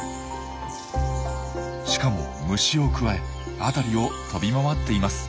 しかも虫をくわえ辺りを飛び回っています。